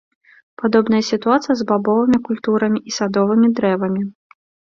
Падобная сітуацыя з бабовымі культурамі і садовымі дрэвамі.